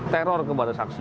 teror kepada saksi